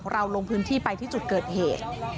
เราลงพื้นที่ไปที่จุดเกิดเหตุ